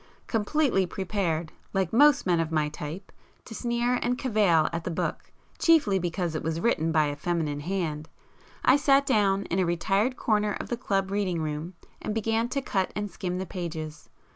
Completely prepared, like most men of my type to sneer and cavil at the book, chiefly because it was written by a feminine hand, I sat down in a retired corner of the club reading room, and began to cut and skim the pages.